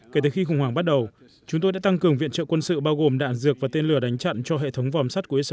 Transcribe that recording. kể từ khi khủng hoảng bắt đầu chúng tôi đã tăng cường viện trợ quân sự bao gồm đạn dược và tên lửa đánh chặn cho hệ thống vòm sắt của israel